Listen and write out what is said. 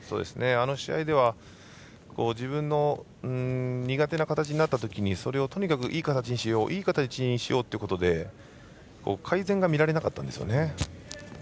あの試合では自分の苦手な形になったときにそれをとにかくいい形にしようってことで改善が見られなかったんですよね。